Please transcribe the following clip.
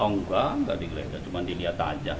oh enggak enggak digeledah cuma dilihat aja